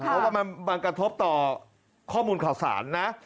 เพราะว่ามันกระทบต่อข้อมูลข่าวสารนะ